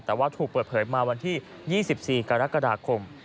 แต่ว่าถูกเปิดเผยมาวันที่๒๔กรกฎาคม